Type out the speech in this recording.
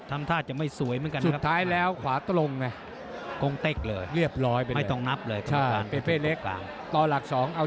ทำท่าจะไม่สวยเหมือนกันนะครับ